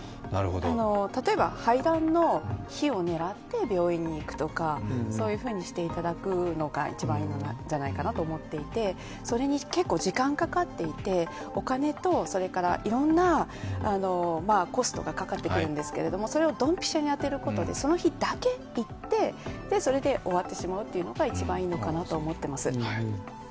例えば排卵の日を狙って病院に行くとかそういうふうにしていただくのが一番いいんじゃないかなと思っていて、それに結構時間かかっていてお金と、いろんなコストがかかってくるんですけどそれをドンピシャに当てることでその日だけ行って、それで終わってしまうというのが一番いいのかなと思ってます。